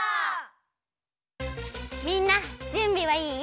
みんなじゅんびはいい？